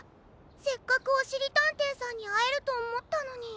せっかくおしりたんていさんにあえるとおもったのに。